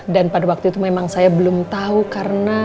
dan pada waktu itu memang saya belum tahu karena